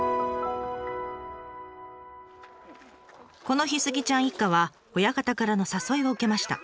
この日スギちゃん一家は親方からの誘いを受けました。